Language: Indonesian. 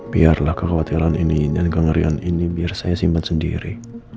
biarlah kekhawatiran ini dan kengerian ini biar saya simpan sendiri